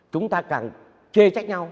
chúng ta càng chê trách nhau